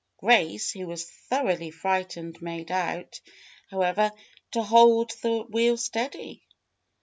Grace, who was thoroughly frightened, made out, however, to hold the wheel steady.